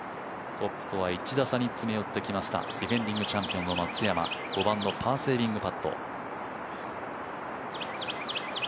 トップとは１打差目に詰め寄ってきました、ディフェンディングチャンピオンの松山、５番のパーセービングパット。